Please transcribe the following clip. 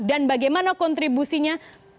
dan bagaimana kontribusinya